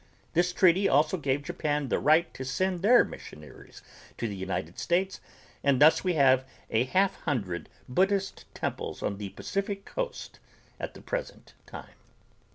This treaty also gave Japan the right to send their missionaries to the United States and thus we have a half hundred Buddhist temples on the Pacific coast at the present time.